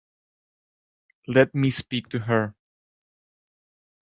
Let me speak to her.